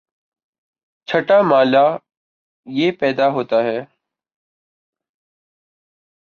چھٹا مألہ یہ پیدا ہوتا ہے